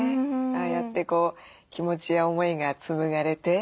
ああやってこう気持ちや思いが紡がれて。